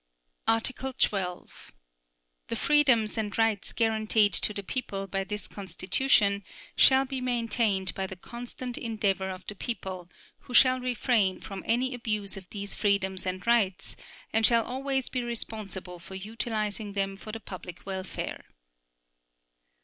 Article 12. The freedoms and rights guaranteed to the people by this Constitution shall be maintained by the constant endeavor of the people, who shall refrain from any abuse of these freedoms and rights and shall always be responsible for utilizing them for the public welfare.